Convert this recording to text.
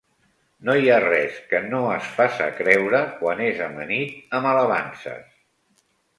No hi ha res que no es faça creure quan es amanit amb alabances.